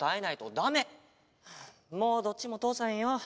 もうどっちもとおさへんよ。